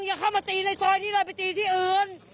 อย่าเข้ามาตีในซอยนี้เลยไปตีที่อื่น